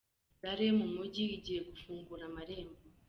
Gare yo mumujyi igiye gufungura amarembo